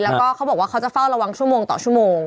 แล้วก็เขาบอกว่าเขาจะเฝ้าระวังชั่วโมงต่อชั่วโมง